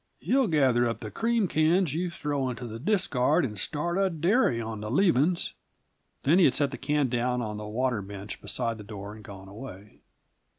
He'll gather up the cream cans you throw into the discard and start a dairy on the leavings." Then he had set the can down on the water bench beside the door and gone away.